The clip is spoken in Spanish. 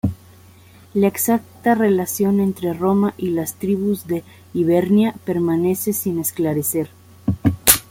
La exacta relación entre Roma y las tribus de "Hibernia" permanece sin esclarecer.